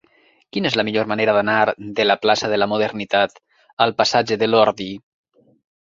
Quina és la millor manera d'anar de la plaça de la Modernitat al passatge de l'Ordi?